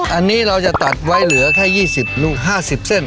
อันนี้เราจะตัดไว้เหลือแค่๒๐ลูก๕๐เส้น